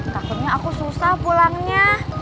takutnya aku susah pulangnya